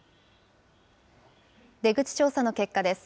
出口調査の結果です。